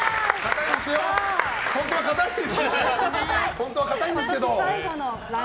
本当は硬いんですけど。